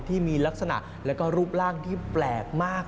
ที่มีลักษณะแล้วก็รูปร่างที่แปลกมาก